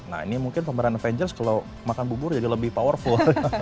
nah ini mungkin pemeran avengers kalau makan bubur jadi lebih powerful